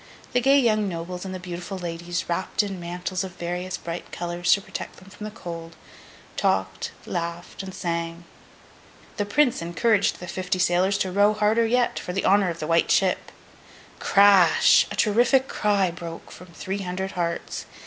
The gay young nobles and the beautiful ladies, wrapped in mantles of various bright colours to protect them from the cold, talked, laughed, and sang. The Prince encouraged the fifty sailors to row harder yet, for the honour of The White Ship. Crash! A terrific cry broke from three hundred hearts.